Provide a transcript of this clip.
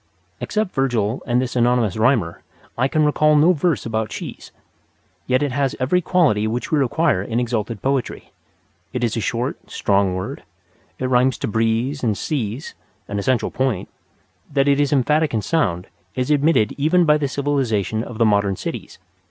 Except Virgil and this anonymous rhymer, I can recall no verse about cheese. Yet it has every quality which we require in exalted poetry. It is a short, strong word; it rhymes to "breeze" and "seas" (an essential point); that it is emphatic in sound is admitted even by the civilization of the modern cities.